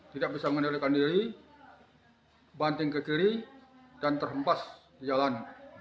tidak bisa menelekan diri banting ke kiri dan terhempas di jalan